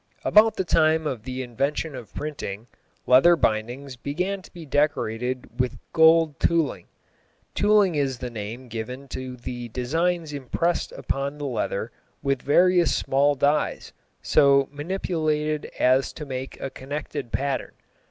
About the time of the invention of printing, leather bindings began to be decorated with gold tooling. Tooling is the name given to the designs impressed upon the leather with various small dies so manipulated as to make a connected pattern.